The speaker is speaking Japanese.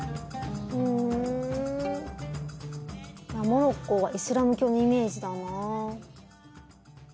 モロッコはイスラム教のイメージだな。